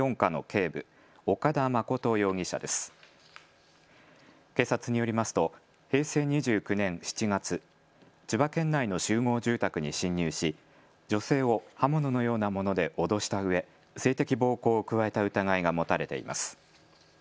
警察によりますと平成２９年７月、千葉県内の集合住宅に侵入し女性を刃物のようなもので脅したうえ性的暴行を加えた疑いが持たれています。